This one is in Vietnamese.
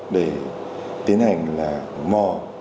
để tiến hành là mò